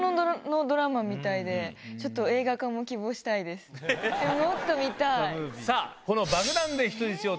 もっと見たい！